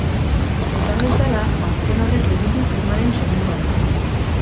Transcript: Esan bezala, azken horrek egin du filmaren soinu-banda.